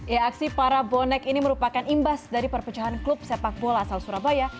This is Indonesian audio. ya aksi para bonek ini merupakan imbas dari perpecahan klub sepak bola asal surabaya